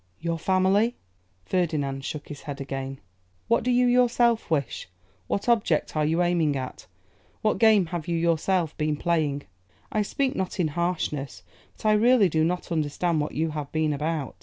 'Your family?' Ferdinand shook his head again. 'What do you yourself wish? What object are you aiming at? What game have you yourself been playing? I speak not in harshness; but I really do not understand what you have been about.